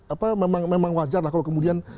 apa memang wajar lah kalau kemudian